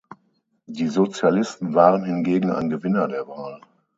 Die Sozialisten waren hingegen ein Gewinner der Wahl.